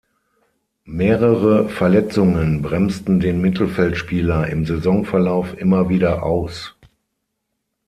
Mehrere Verletzungen bremsten den Mittelfeldspieler im Saisonverlauf immer wieder aus.